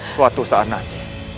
suatu saat nanti